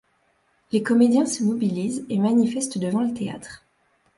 Les comédiens se mobilisent et manifestent devant le théâtre.